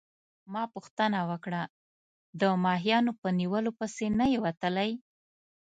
ما پوښتنه وکړه: د ماهیانو په نیولو پسي نه يې وتلی؟